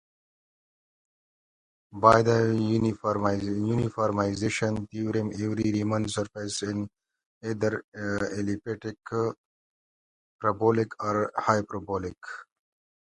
By the uniformization theorem, every Riemann surface is either elliptic, parabolic or hyperbolic.